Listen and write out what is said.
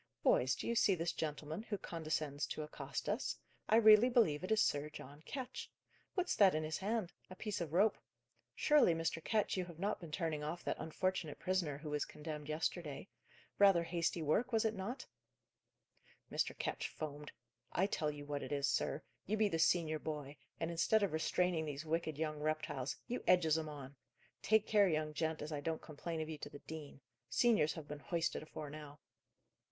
"Boys, do you see this gentleman who condescends to accost us? I really believe it is Sir John Ketch. What's that in his hand? a piece of rope? Surely, Mr. Ketch, you have not been turning off that unfortunate prisoner who was condemned yesterday? Rather hasty work, sir; was it not?" Mr. Ketch foamed. "I tell you what it is, sir. You be the senior boy, and, instead of restraining these wicked young reptiles, you edges 'em on! Take care, young gent, as I don't complain of you to the dean. Seniors have been hoisted afore now."